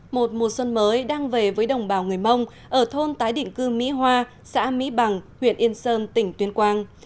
một mùa xuân mới đang về với đồng bào người mông ở thôn tái định cư mỹ hoa xã mỹ bằng huyện yên sơn tỉnh tuyên quang